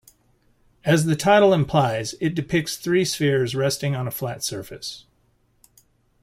As the title implies, it depicts three spheres resting on a flat surface.